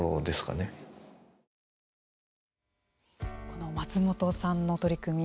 この松本さんの取り組み